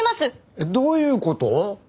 えっどういうこと？